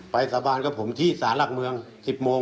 สาบานกับผมที่สารหลักเมือง๑๐โมง